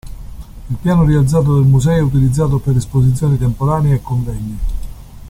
Il piano rialzato del museo è utilizzato per esposizioni temporanee e convegni.